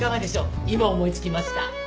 今思い付きました。